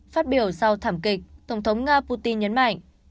phát biểu sau thảm kịch tổng thống nga putin nhấn mạnh